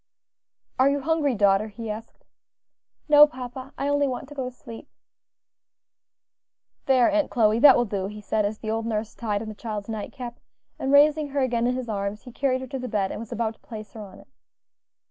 "Are you hungry, daughter?" he asked. "No, papa; I only want to go to sleep." "There, Aunt Chloe, that will do," he said, as the old nurse tied on the child's night cap; and raising her again in his arms, he carried her to the bed and was about to place her on it.